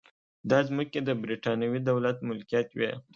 دا ځمکې د برېټانوي دولت ملکیت وې.